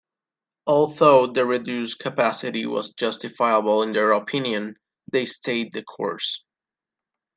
Although the reduced capacity was justifiable in their opinion, they stayed the course.